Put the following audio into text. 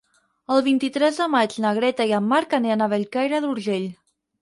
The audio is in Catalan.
El vint-i-tres de maig na Greta i en Marc aniran a Bellcaire d'Urgell.